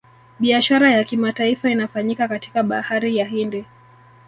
Biashara ya kimataifa inafanyika katika bahari ya hindi